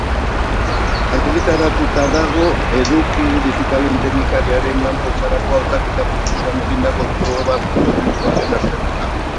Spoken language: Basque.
Argitaratuta dago eduki digitalen teknikariaren lan-poltsarako hautaketa-prozesuan egindako proba teorikoaren azterketa.